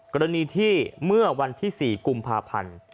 กรณีที่เมื่อวันที่๔กุมภาพันธ์